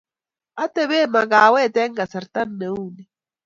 Atepe makawet eng kasarta ne uu ni